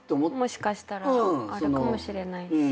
もしかしたらあるかもしれないし。